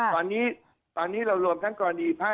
ตอนนี้เราโร่งทั้งกรณีพระ